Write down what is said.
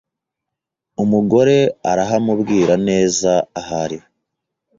Umugore arahamubwira neza ahariho.